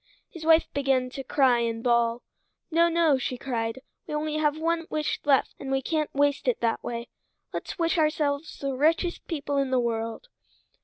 His wife begun to cry and bawl. "No, no," she cried. "We only have one wish left, and we can't waste it that way. Let's wish ourselves the richest people in the world."